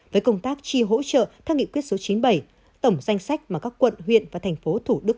với công tác tri hỗ trợ theo nghị quyết số chín mươi bảy tổng danh sách mà các quận huyện và tp thủ đức